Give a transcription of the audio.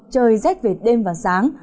trời rét về đêm và sáng